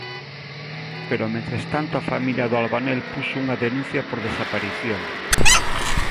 Pero mentres tanto a familia do albanel puxo unha denuncia por desaparición.